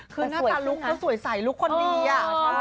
คือหน้าตาลุคก็สวยใสลุคคนดีอ่ะ